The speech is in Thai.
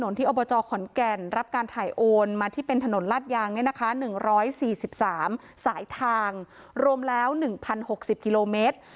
สายทางรวมแล้ว๑๐๖๐กิโลเมตร